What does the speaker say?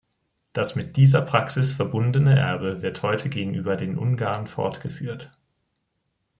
Das mit dieser Praxis verbundene Erbe wird heute gegenüber den Ungarn fortgeführt.